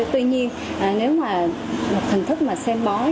tuy nhiên nếu mà hình thức mà xem bói